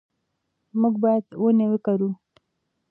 موږ باید ونې وکرو.